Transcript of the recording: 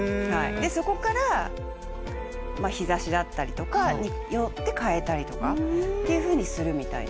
そこから日ざしだったりとかによって変えたりとかっていうふうにするみたいな。